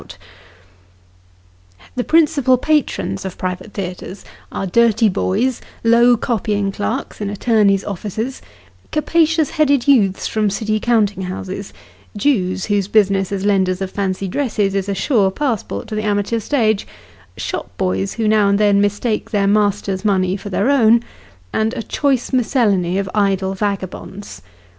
Stage struck. 89 The principal patrons of private theatres are dirty boys, low copying clerks in attorneys' offices, capacious headed youths from City count ing houses, Jews whose business, as lenders of fancy dresses, is a sure passport to the amateur stage, shop boys who now and then mistake their masters' money for their own ; and a choice miscellany of idle vagabonds.